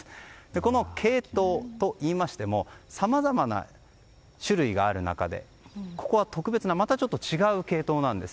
このケイトウといいましてもさまざまな種類がある中でここは、特別なまたちょっと違うケイトウなんです。